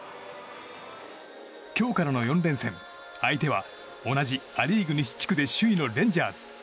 今日からの４連戦相手は同じア・リーグ西地区で首位のレンジャーズ。